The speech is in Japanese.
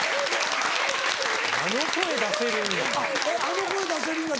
あの声出せるんだ。